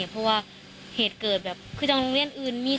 มาทายของเขาลงโจมันก็เกินไป